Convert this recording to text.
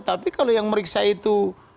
tapi kalau yang meriksa itu